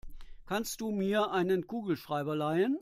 Kannst du mir einen Kugelschreiber leihen?